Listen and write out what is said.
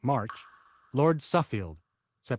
March Lord Suffield Sept.